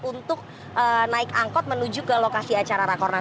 untuk naik angkot menuju ke lokasi acara rakornas